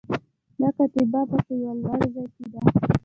دا کتیبه په یوه لوړ ځای کې ده